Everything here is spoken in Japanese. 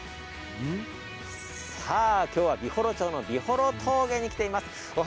今日は美幌町の美幌峠に来ています。